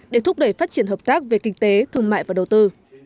để thúc đẩy phát triển hợp tác về kinh tế thương mại và đầu tư